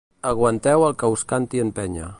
Aguanteu el que us canti en Penya.